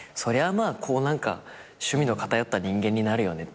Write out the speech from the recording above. まあこう趣味の偏った人間になるよねっていう。